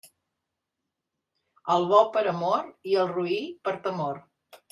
Al bo per amor i al roí per temor.